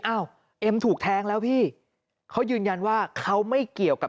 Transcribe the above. เอ็มถูกแทงแล้วพี่เขายืนยันว่าเขาไม่เกี่ยวกับ